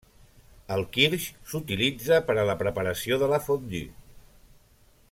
El kirsch s'utilitza per a la preparació de la fondue.